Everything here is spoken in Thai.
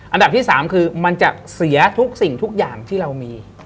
อันดับที่๓คือมันจะเสียทุกสิ่งทุกอย่างที่เรามี